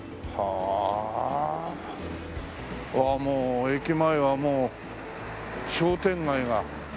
ああもう駅前はもう商店街が燦然と。